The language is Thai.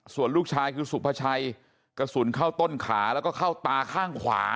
ส่วนลูกชายคือสุภาชัยกระสุนเข้าต้นขาแล้วก็เข้าตาข้างขวา